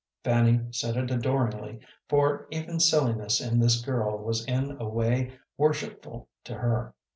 Fanny said it adoringly, for even silliness in this girl was in a way worshipful to her.